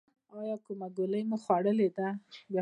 ایا کومه ګولۍ مو خوړلې ده؟